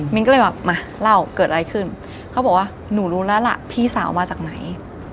ก็เลยแบบมาเล่าเกิดอะไรขึ้นเขาบอกว่าหนูรู้แล้วล่ะพี่สาวมาจากไหน